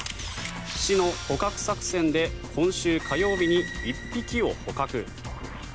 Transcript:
市の捕獲作戦で、今週火曜日に１匹を捕獲。